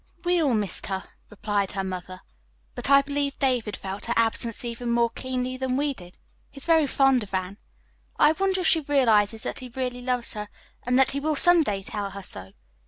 "We all missed her," replied her mother, "but I believe David felt her absence even more keenly than we did. He is very fond of Anne. I wonder if she realizes that he really loves her, and that he will some day tell her so?